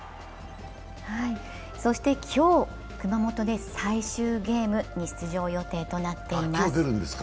そして今日、熊本で最終ゲームに出場予定となっています。